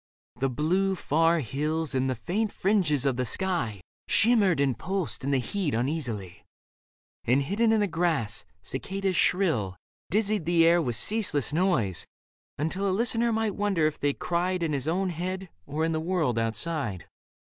The blue, Far hills and the faint fringes of the sky Shimmered and pulsed in the heat uneasily, And hidden in the grass, cicadas shrill Dizzied the air with ceaseless noise, until A listener might wonder if they cried In his own head or in the world outside.